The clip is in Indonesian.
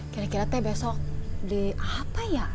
kira kira teh besok di apa ya